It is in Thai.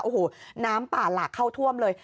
โอ้โหน้ำป่าหลากเข้าท่วมเลย